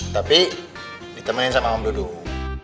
tapi ditemenin sama om dudung